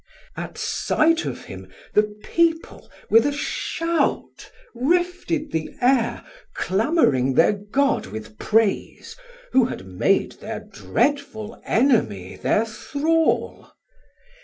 At sight of him the people with a shout 1620 Rifted the Air clamouring thir god with praise, Who had made thir dreadful enemy thir thrall.